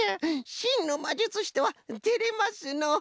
しんのまじゅつしとはてれますのう。